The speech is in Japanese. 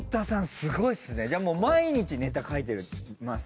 すごいっすねじゃあもう毎日ネタ書いてます？